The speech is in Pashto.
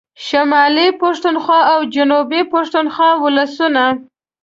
شمالي پښتونخوا او جنوبي پښتونخوا ولسونو